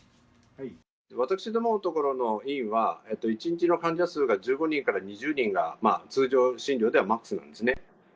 私どものところの医院は１日の患者数が１５人から２０人が、通常診療ではマックスなんですね。